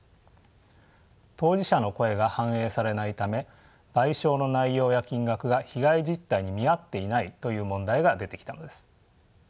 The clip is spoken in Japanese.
当事者の声が反映されないため賠償の内容や金額が被害実態に見合っていないという問題が出てきたのです。